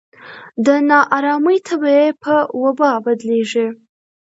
د نا ارامۍ تبه یې په وبا بدلېږي.